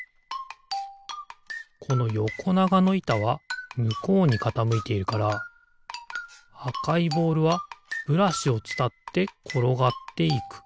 このよこながのいたはむこうにかたむいているからあかいボールはブラシをつたってころがっていく。